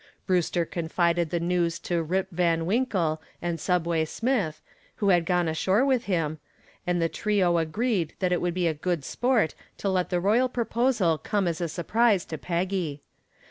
Brewster confided the news to "Rip" Van Winkle and "Subway" Smith, who had gone ashore with him, and the trio agreed that it would be good sport to let the royal proposal come as a surprise to Peggy.